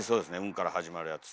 「ん」から始まるやつ。